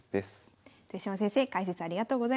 豊島先生解説ありがとうございました。